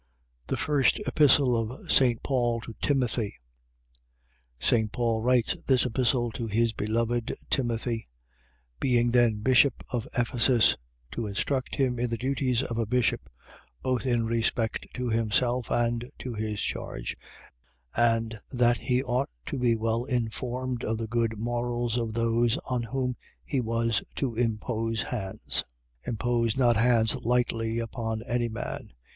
THE FIRST EPISTLE OF ST. PAUL TO TIMOTHY St. Paul write this Epistle to his BELOVED TIMOTHY, being then bishop of Ephesus, to instruct him in the duties of a bishop, both in respect to himself and to his charge; and that he ought to be well informed of the good morals of those on whom he was to impose hands: Impose not hands lightly upon any man.